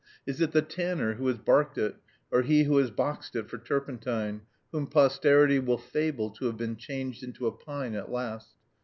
Is it the tanner who has barked it, or he who has boxed it for turpentine, whom posterity will fable to have been changed into a pine at last?